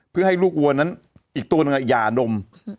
เพื่อให้ลูกวัวนั้นอีกตัวนั้นอะหย่านมอืม